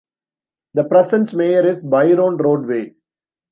The present Mayor is Byron Rodway.